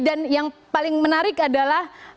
dan yang paling menarik adalah